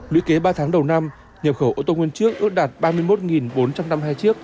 lũy kế ba tháng đầu năm nhập khẩu ô tô nguyên chiếc ước đạt ba mươi một bốn trăm năm mươi hai chiếc